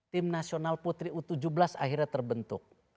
tim nasional putri u tujuh belas akhirnya terbentuk